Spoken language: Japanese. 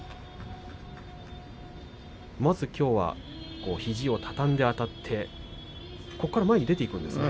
まずきょうは肘を畳んであたってここから前に出ていくんですね。